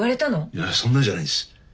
いやそんなんじゃないんです。